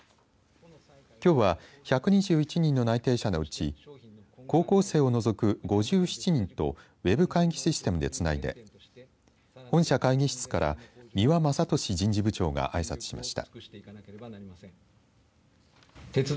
きょうは、１２１人の内定者のうち高校生を除く５７人とウェブ会議システムでつないで本社会議室から三輪正稔人事部長があいさつしました。